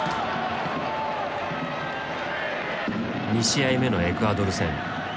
２試合目のエクアドル戦。